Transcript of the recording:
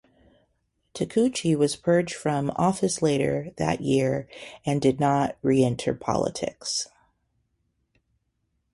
Takeuchi was purged from office later that year and did not reenter politics.